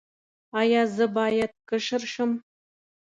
ایا زه باید کشر شم؟